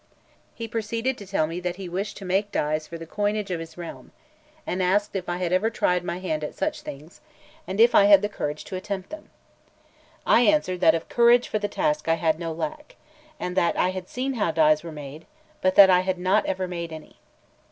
He proceeded to tell me that he wished to make dies for the coinage of his realm, and asked me if I had ever tried my hand at such things, and if I had the courage to attempt them. I answered that of courage for the task I had no lack, and that I had seen how dies were made, but that I had not ever made any.